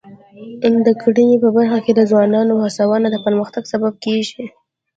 د کرنې په برخه کې د ځوانانو هڅونه د پرمختګ سبب کېږي.